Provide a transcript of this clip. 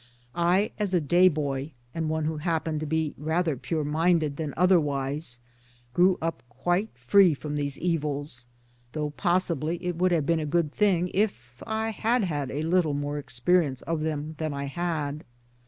I, as a day boy, and one who happened to be rather pure minded than otherwise, grew up quite free from these evils : though possibly it would have been a good thing if I had had a little more experi ence of them than I had.